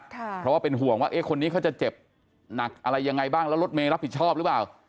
เพราะว่าเป็นห่วงว่าคนนี้เขาจะเจ็บหนักอะไรยังไงบ้างแล้วรถเมย์รับผิดชอบหรือเปล่า